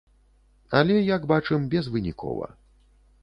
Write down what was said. Але, як бачым, безвынікова.